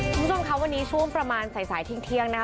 ทุกชนครับวันนี้ช่วงประมาณสายทิ้งเที่ยงนะ